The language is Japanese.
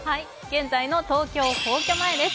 現在の東京・皇居前です。